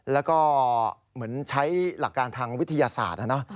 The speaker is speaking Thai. แล้วก็เหมือนใช้หลักการทางวิทยาศาสตร์นะ